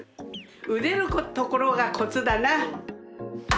うでるところがコツだな。